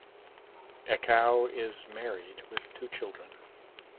Ekow is married with two children.